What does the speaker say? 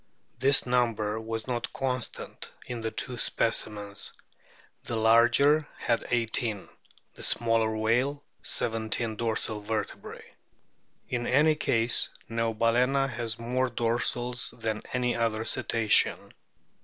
This number was not constant in the two specimens ; the larger had eighteen, the smaller whale seventeen dorsal vertebrae. In any case Neobal&na has more dorsals than any other Cetacean.